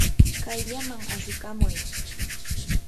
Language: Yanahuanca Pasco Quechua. kayllaman ashukamuy.